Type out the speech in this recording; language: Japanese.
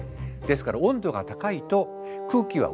ですから温度が高いと空気は薄くなる。